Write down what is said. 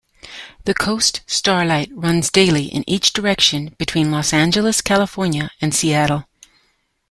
The "Coast Starlight"runs daily in each direction between Los Angeles, California and Seattle.